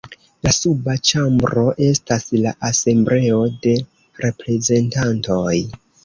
La suba ĉambro estas la Asembleo de Reprezentantoj.